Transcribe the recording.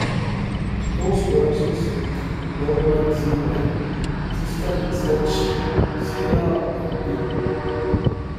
Those productions with Norma Jean Wright, Sister Sledge, Sheila and B.